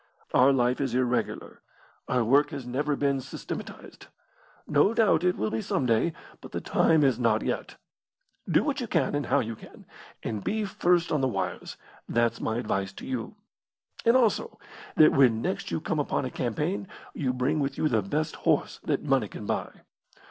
Our life is irregular. Our work has never been systematised. No doubt it will be some day, but the time is not yet. Do what you can and how you can, and be first on the wires; that's my advice to you; and also, that when next you come upon a campaign you bring with you the best horse that money can buy.